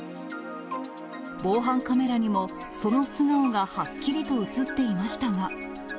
防犯カメラにも、その素顔がはっきりと写っていましたが。